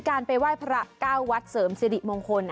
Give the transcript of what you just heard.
การไปไหว้พระเก้าวัดเสริมสิริมงคล